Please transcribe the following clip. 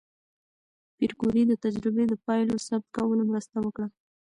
پېیر کوري د تجربې د پایلو ثبت کولو مرسته وکړه.